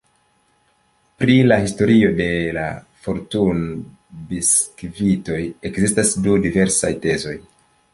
Pri la historio de la fortuno-biskvitoj ekzistas du diversaj tezoj.